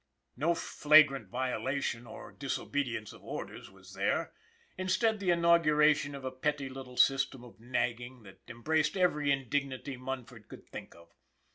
No flagrant violation or disobedience of orders was there, instead the inauguration of a petty little system of nagging that embraced every indignity Munford could think of.